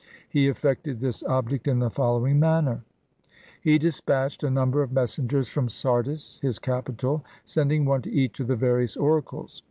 He effected this object in the following manner :— He dispatched a number of messengers from Sardis, his capital, sending one to each of the various oracles.